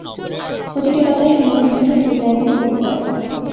প্রতিটি পাতায় সুন্দর-সুন্দর দুই লাইনের কবিতা।